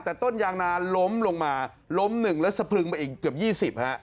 แต่ต้นยางนาล้มลงมาล้มหนึ่งแล้วสะพรึงมาอีกเกือบ๒๐ฮะ